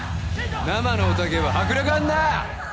生のオタ芸は迫力あんな